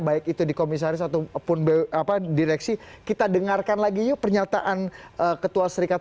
baik itu di komisaris ataupun direksi kita dengarkan lagi yuk pernyataan ketua serikat